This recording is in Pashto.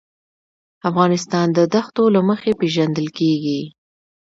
افغانستان د دښتو له مخې پېژندل کېږي.